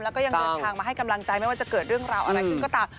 แล้วก็ยังเดินทางมาให้กำลังใจไม่ว่าจะเกิดเรื่องราวอะไรขึ้นก็ตาม